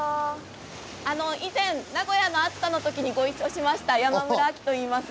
以前名古屋の熱田の時にご一緒しました山村亜希といいます。